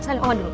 salim sama dulu